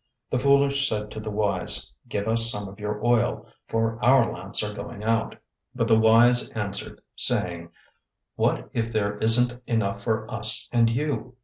} 025:008 The foolish said to the wise, 'Give us some of your oil, for our lamps are going out.' 025:009 But the wise answered, saying, 'What if there isn't enough for us and you?